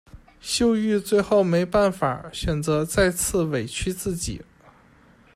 秀玉最后没办法，选择再次委屈自己。